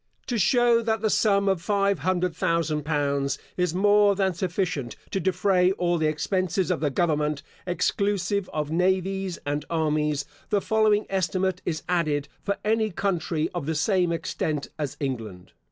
To show that the sum of five hundred thousand pounds is more than sufficient to defray all the expenses of the government, exclusive of navies and armies, the following estimate is added, for any country, of the same extent as England.